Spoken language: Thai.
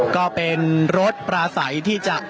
ก็เป็นรถปลาใสที่จะ